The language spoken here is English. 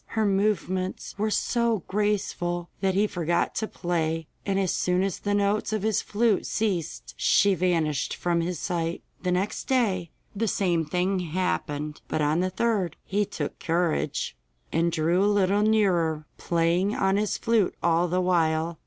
Her movements were so graceful that he forgot to play, and as soon as the notes of his flute ceased she vanished from his sight. The next day the same thing happened, but on the third he took courage, and drew a little nearer, playing on his flute all the while.